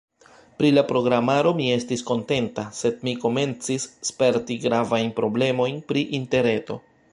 Pri la programaro mi estis kontenta, sed mi komencis sperti gravajn problemojn pri Interreto.